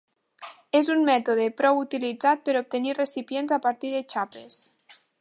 És un mètode prou utilitzat per obtenir recipients a partir de xapes.